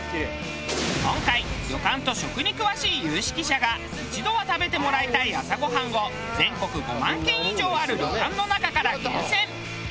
今回旅館と食に詳しい有識者が一度は食べてもらいたい朝ごはんを全国５万軒以上ある旅館の中から厳選。